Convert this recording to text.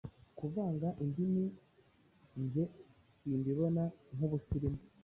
Kuvanga indimi jye simbibona nk’ubusilimu,